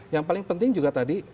yang paling penting juga tadi